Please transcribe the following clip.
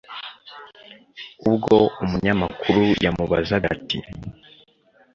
ubwo umunyamakuru yamubazaga ati